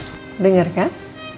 din al dengar kan